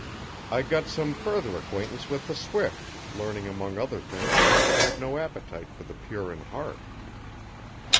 I got some further acquaintance with the swift, learning among other things that it had no appetite for the pure in heart.